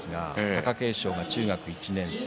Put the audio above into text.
貴景勝は中学１年生。